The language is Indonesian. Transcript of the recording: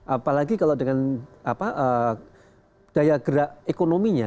apalagi kalau dengan daya gerak ekonominya